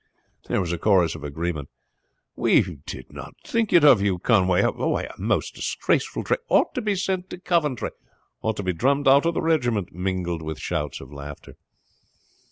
There was a chorus of agreement. "We did not think it of you, Conway;" "A most disgraceful trick;" "Ought to be sent to Coventry;" "Ought to be drummed out of the regiment;" mingled with shouts of laughter.